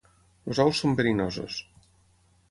Els ous són verinosos.